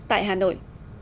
tại hà nội